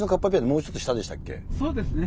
そうですね。